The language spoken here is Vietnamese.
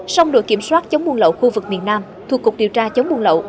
song đội kiểm soát chống buôn lậu khu vực miền nam thuộc cục điều tra chống buôn lậu